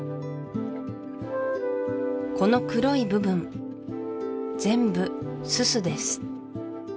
この黒い部分全部煤です